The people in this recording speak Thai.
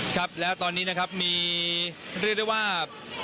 ครับแล้วตอนนี้นะครับมีเรียกได้ว่า